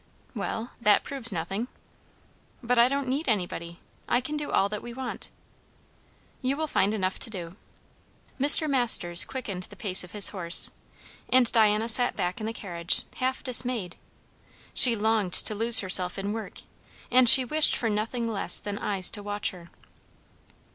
"Well? That proves nothing." "But I don't need anybody I can do all that we want." "You will find enough to do." Mr. Masters quickened the pace of his horse, and Diana sat back in the carriage, half dismayed. She longed to lose herself in work, and she wished for nothing less than eyes to watch her.